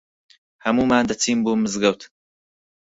هەموومان دەچین بۆ مزگەوت.